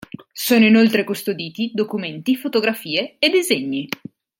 Sono inoltre custoditi documenti, fotografie e disegni.